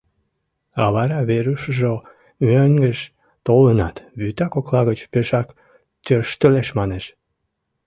А вара Верушыжо мӧҥгыш толынат, вӱта кокла гыч пешак тӧрштылеш манеш.